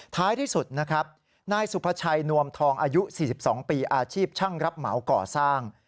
ท้ายที่สุดนะครับนายสุภาชัยนวมทองอายุ๔๒ปีอาชีพช่างรับเหมาก่อสร้าง